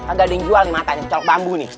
kagak ada yang jual nih matanya kecolok bambu nih